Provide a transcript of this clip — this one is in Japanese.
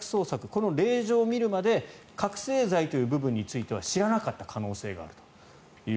この令状を見るまで覚醒剤という部分については知らなかった可能性があると。